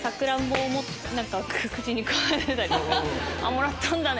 もらったんだね！